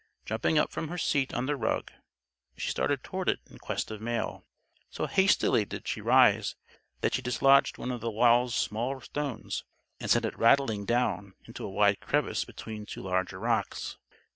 Jumping up from her seat on the rug, she started toward it in quest of mail. So hastily did she rise that she dislodged one of the wall's small stones and sent it rattling down into a wide crevice between two larger rocks.